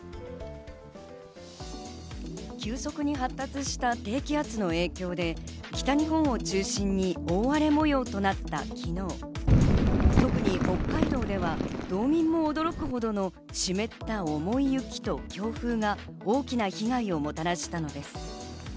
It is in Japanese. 急速に発達した低気圧の影響で北日本を中心に大荒れもようとなった昨日、特に北海道では道民も驚くほどの湿った重い雪と強風が大きな被害をもたらしたのです。